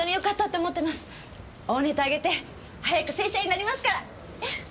大ネタあげて早く正社員になりますから！